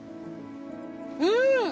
うん！